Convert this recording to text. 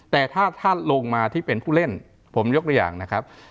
แต่ถ้าท่านลงมาที่เป็นผู้เล่นผมยกตัวอย่างนะครับ